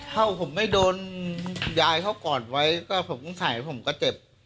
ถ้าผมไม่โดนยายเขากอดไว้ก็ผมสงสัยผมก็เจ็บ